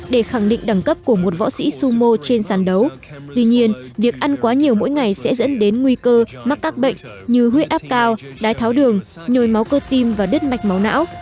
để khẳng định đẳng cấp của một võ sĩ sumo trên sàn đấu tuy nhiên việc ăn quá nhiều mỗi ngày sẽ dẫn đến nguy cơ mắc các bệnh như huyết áp cao đái tháo đường nhồi máu cơ tim và đứt mạch máu não